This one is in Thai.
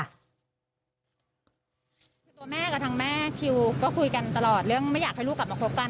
คือตัวแม่กับทางแม่คิวก็คุยกันตลอดเรื่องไม่อยากให้ลูกกลับมาคบกัน